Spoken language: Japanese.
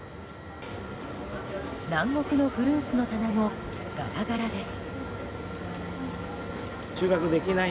南国のフルーツの棚もガラガラです。